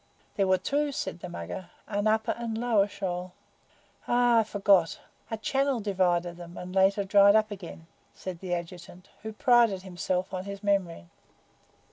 "There were two," said the Mugger; "an upper and a lower shoal." "Ay, I forgot. A channel divided them, and later dried up again," said the Adjutant, who prided himself on his memory.